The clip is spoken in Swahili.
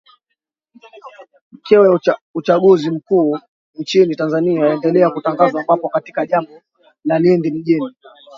keo ya uchanguzi mkuu nchini tanzania yanaendelea kutagazwa ambapo katika jimbo la lindi mjini